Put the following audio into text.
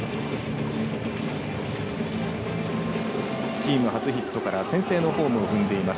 チーム初ヒットから先制のホームを踏んでいます